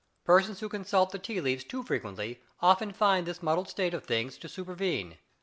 Persons who consult the tea leaves too frequently often find this muddled state of things to supervene.